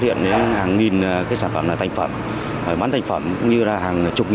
ghi nhãn của một số cơ sở trong và ngoài nước